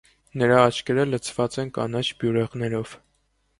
Նրա աչքերը լցված են կանաչ բյուրեղներով։